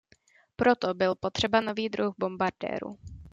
Proto byl potřeba nový druh bombardérů.